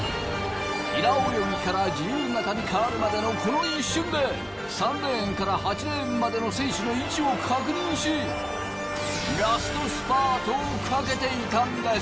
平泳ぎから自由形に変わるまでのこの一瞬で３レーンから８レーンまでの選手の位置を確認しラストスパートをかけていたんです。